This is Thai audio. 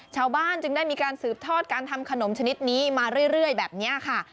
ชาวบ้านจึงได้มีการสืบทอดการทำขนมชนิดนี้มาเรื่อยแบบนี้ค่ะ